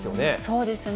そうですね。